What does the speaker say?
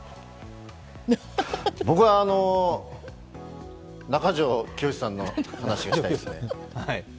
僕は中条きよしさんの話をしたいですね。